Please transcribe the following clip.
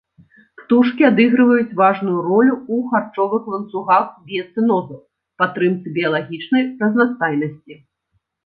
Птушкі адыгрываюць важную ролю ў харчовых ланцугах біяцэнозаў, падтрымцы біялагічнай разнастайнасці.